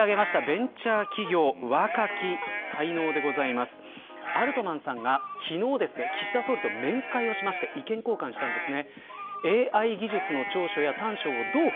ベンチャー企業若き才能ですアルトマンさんが昨日、岸田総理と面会をして意見交換をしました。